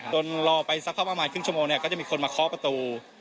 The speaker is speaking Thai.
จนรอไปสักประมาณ๕๓๐ชั่วโมงก็จะมีคนมาเคลาดประตู